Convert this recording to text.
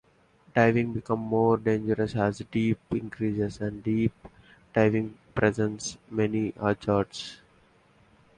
Diving becomes more dangerous as depth increases, and deep diving presents many hazards.